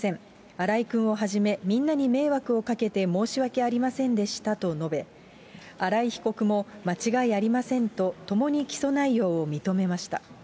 新井君をはじめみんなに迷惑をかけて申し訳ありませんでしたと述べ、新井被告も間違いありませんと、ともに起訴内容を認めました。